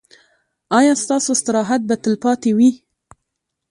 ایا ستاسو استراحت به تلپاتې وي؟